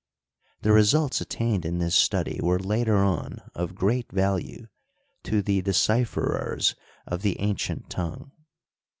The results attained in this study were later on of g^eat value to the decipherers of the ancient tongue.